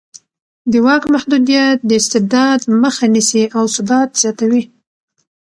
د واک محدودیت د استبداد مخه نیسي او ثبات زیاتوي